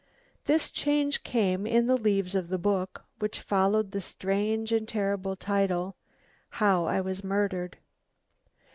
This change came in the leaves of the book which followed the strange and terrible title, "How I was murdered."